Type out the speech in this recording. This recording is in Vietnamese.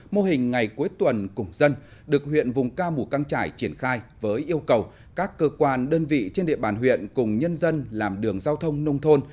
mô hình ngày cuối tuần cùng dân được huyện vùng ca mù căng trải triển khai với yêu cầu các cơ quan đơn vị trên địa bàn huyện cùng nhân dân làm đường giao thông nông thôn